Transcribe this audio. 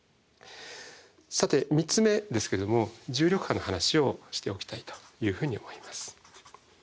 さて３つ目ですけども重力波の話をしておきたいというふうに思います。